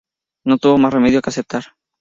No tuvo más remedio que aceptar.